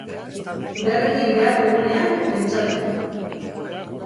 Berregin behar dugunean pentsatu.